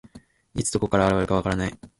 いつ、どこから現れるか分からない。